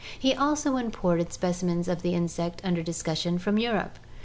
He also imported specimens of the insect under discussion from Europe.